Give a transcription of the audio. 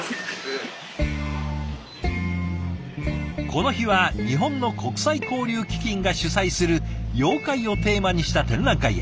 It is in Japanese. この日は日本の国際交流基金が主催する「妖怪」をテーマにした展覧会へ。